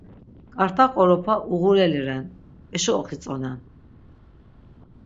K̆arta qoropa uğureli ren, eşo oxitzonen.